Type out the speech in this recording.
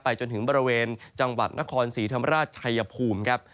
จนถึงบริเวณจังหวัดนครศรีธรรมราชชัยภูมิครับ